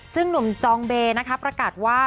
ซึ่งหนุ่มจองเบประกัดว่า